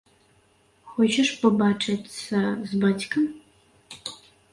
Хочаш пабачыцца з бацькам?